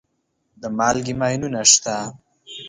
د مالګې ماینونه شته.